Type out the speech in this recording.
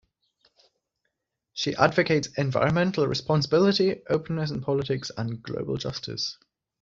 She advocates environmental responsibility, openness in politics, and global justice.